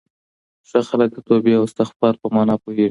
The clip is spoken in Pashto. ښه خلک د توبې او استغفار په مانا پوهېږي.